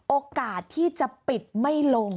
โอกาสที่จะปิดไม่ลง